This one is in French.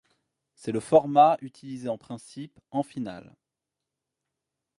C'est le format utilisé en principe en finale.